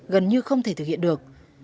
gần như không thể thực hiện được